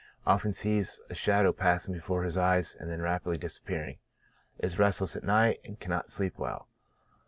Often sees a shadow passing before his eyes, and then rapidly disappearing ; is restless at night, and cannot sleep well.